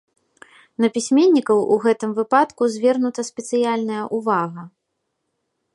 На пісьменнікаў у гэтым выпадку звернута спецыяльная ўвага.